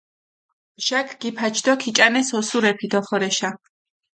ბჟაქ გიფაჩ დო ქიჭანეს ოსურეფი დოხორეშა.